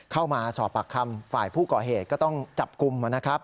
เข้ามาสอบปากคำฝ่ายผู้ก่อเหตุก็ต้องจับกลุ่มนะครับ